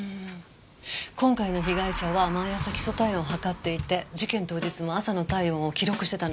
今回の被害者は毎朝基礎体温を測っていて事件当日も朝の体温を記録してたの。